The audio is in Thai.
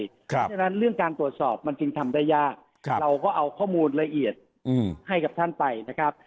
เพราะฉะนั้นเรื่องการตรวจสอบมันจึงทำได้ยากเราก็เอาข้อมูลละเอียดให้กับท่านไปนะครับ